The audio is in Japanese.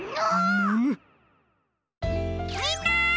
みんな！